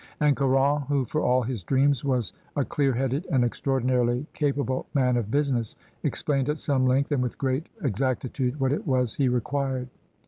And Caron, who for all his dreams was a clear headed and extraordinarily capable man of busi 208 MRS. DYMOND. ness, explained at some length and with great ex actitude what it was he required.